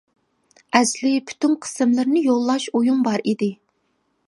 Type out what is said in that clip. ئەسلى پۈتۈن قىسىملىرىنى يوللاش ئويۇم بار ئىدى.